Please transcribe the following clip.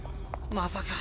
まさか。